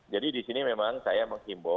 jadi di sini memang saya mengkimbo